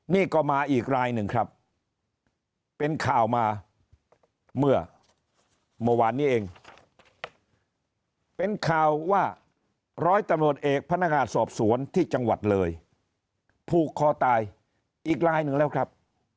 นี่ก็มาอีกรายหนึ่งครับเป็นข่าวมาเมื่อเมื่อวานนี้เองเป็นข่าวว่าร้อยตำรวจเอกพนักงานสอบสวนที่จังหวัดเลยผูกคอตายอีกรายหนึ่งแล้วครับ